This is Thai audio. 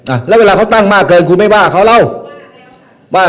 อ่าแล้วเวลาเขาตั้งมากเกินกูไม่บ้าเค้าแล้ว